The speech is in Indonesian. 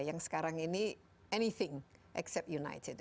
yang sekarang ini anything except united